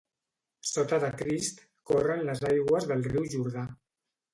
Sota de Crist corren les aigües del riu Jordà.